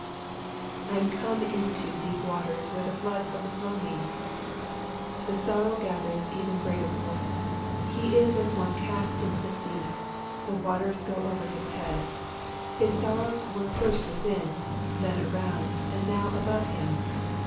/aw come into deep waters, where the floods overflow me.'''* The sorrow gathers even greater force ; he is as one cast into the sea, the waters go over his head. His sorrows were first within, then around, and now above him.